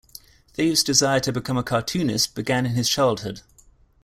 Thaves' desire to become a cartoonist began in his childhood.